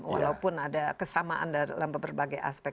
walaupun ada kesamaan dalam berbagai aspek